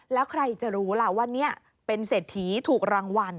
แล้วใครจะรู้ล่ะว่านี่เป็นเศรษฐีถูกรางวัล